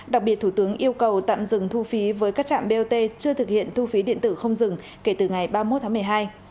đặc biệt thủ tướng yêu cầu tạm dừng thu phí với các trạm bot chưa thực hiện thu phí điện tử không dừng kể từ ngày ba mươi một tháng một mươi hai